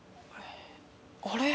あれ？